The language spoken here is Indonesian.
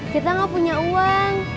kita gak punya uang